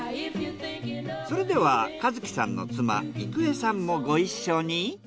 それでは和紀さんの妻郁江さんもご一緒に。